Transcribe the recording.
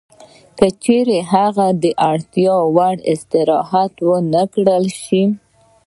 که چېرې هغه د اړتیا وړ استراحت ونه کړای شي